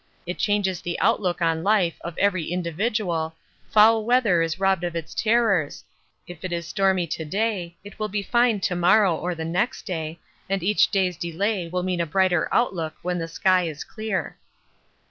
It changes the outlook on life of every individual, foul weather is robbed of its terrors; if it is stormy to day it will be fine to morrow or the next day, and each day's delay will mean a brighter outlook when the sky is clear.